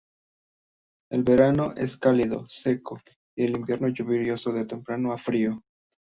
El verano es cálido seco y el invierno lluvioso de templado a frío.